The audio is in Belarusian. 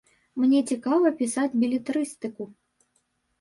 Мне цікава пісаць белетрыстыку.